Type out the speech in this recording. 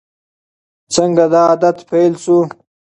څنګه دا عادت پیل شو؟